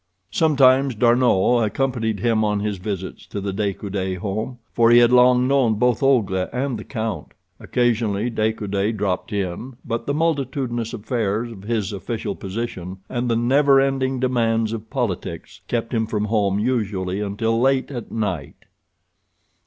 Sometimes D'Arnot accompanied him on his visits to the De Coude home, for he had long known both Olga and the count. Occasionally De Coude dropped in, but the multitudinous affairs of his official position and the never ending demands of politics kept him from home usually until late at night.